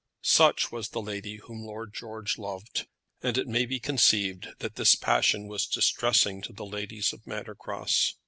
Such was the lady whom Lord George loved, and it may be conceived that this passion was distressing to the ladies of Manor Cross.